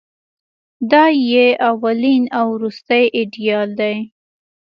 دای یې اولین او وروستۍ ایډیال دی.